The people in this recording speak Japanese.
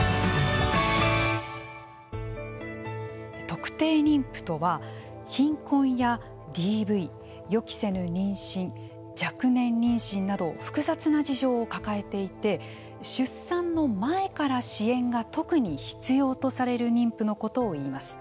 特定妊婦とは、貧困やＤＶ予期せぬ妊娠、若年妊娠など複雑な事情を抱えていて出産の前から支援が特に必要とされる妊婦のことをいいます。